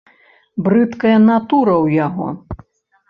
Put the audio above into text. Брыдкая натура ў яго!